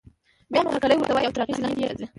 بيا نو هرکلی ورته وايي او تر اغېز لاندې يې راځي.